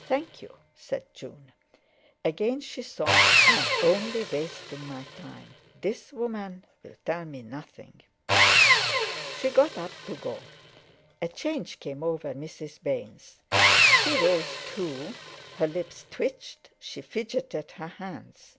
"Thank you," said June. Again she thought: "I'm only wasting my time. This woman will tell me nothing." She got up to go. A change came over Mrs. Baynes. She rose too; her lips twitched, she fidgeted her hands.